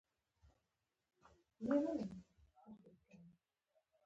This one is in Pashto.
سندره د موسیقار زړه ته رسي